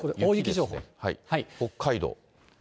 北海道。